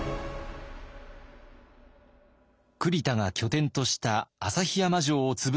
栗田が拠点とした旭山城を潰すなど